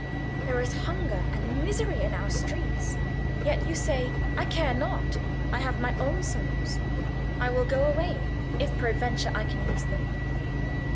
There is hunger and misery in our streets, yet you say, 'I care not; I have my own sorrows; I will go away, if peradventure I can ease them.